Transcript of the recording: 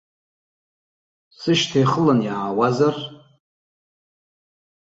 Сышьҭа ихылан иаауазар?